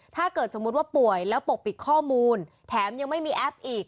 ถ้าเกิดสมมุติว่าป่วยแล้วปกปิดข้อมูลแถมยังไม่มีแอปอีก